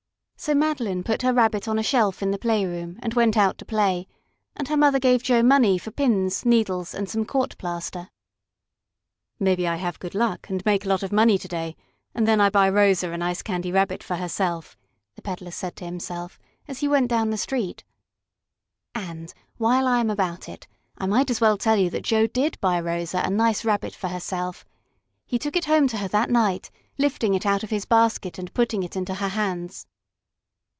So Madeline put her Rabbit on a shelf in the playroom, and went out to play, and her mother gave Joe money for pins, needles and some court plaster. "Maybe I have good luck and make a lot of money to day, and then I buy Rosa a nice Candy Rabbit for herself," the peddler said to himself, as he went down the street. And, while I am about it, I might as well tell you that Joe did buy Rosa a nice Rabbit for herself. He took it home to her that night, lifting it out of his basket and putting it into her hands.